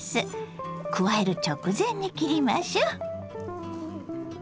加える直前に切りましょ。